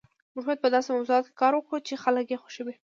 موږ باید په داسې موضوعاتو کار وکړو چې خلک یې خوښوي